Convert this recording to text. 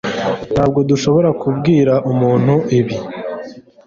Ntabwo dushobora kubwira umuntu ibi.